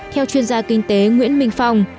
theo chuyên gia kinh tế nguyễn minh phong